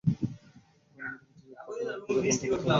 আর আমার প্রতিশোধ তখন আসবে যখন তুমি তার আশাও করনি, শেয়াল।